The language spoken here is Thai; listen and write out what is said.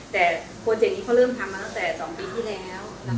แต่โปรเจกต์นี้เขาเริ่มทำมาตั้งแต่๒ปีที่แล้ว